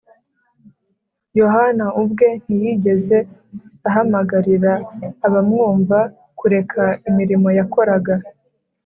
. Yohana ubwe ntiyigeze ahamagarira abamwumva kureka imirimo bakoraga.